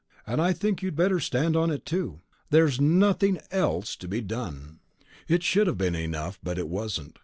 And I think you'd better stand on it, too. There's nothing else to be done." It should have been enough, but it wasn't.